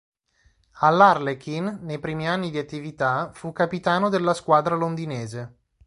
All'Harlequin nei primi anni di attività, fu capitano della squadra londinese.